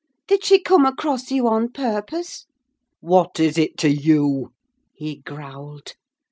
Did she come across you on purpose?" "What is it to you?" he growled.